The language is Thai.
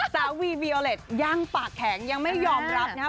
ซาวีวิอเล็ตยังปากแข็งยังไม่ยอมรับ